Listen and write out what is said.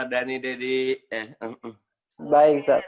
nah saya akan memulai diskusi ini dengan menampilkan satu pidato